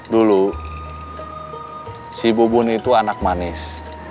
dulu si bubun itu anak manis